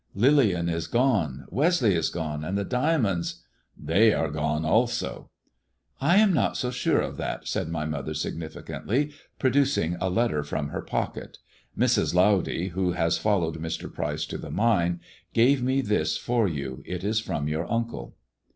Lillian is gone, Westleigh is gone, and the diamonds "^ They are gone also !"" I am not so sure of that," said my mother significantly, producing a letter from her pocket. " Mrs. Lowdy, who has followed Mr. Pryce to the mine, gave me this for you. It is from your uncle."